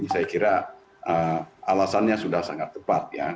saya kira alasannya sudah sangat tepat ya